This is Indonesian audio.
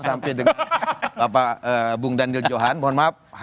sampai dengan bapak bung daniel johan mohon maaf